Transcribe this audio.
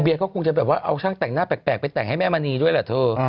ก็คงจะแบบว่าเอาช่างแต่งหน้าแปลกไปแต่งให้แม่มณีด้วยแหละเธอ